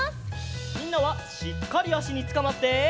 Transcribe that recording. みんなはしっかりあしにつかまって！